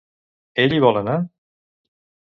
Ell hi vol anar?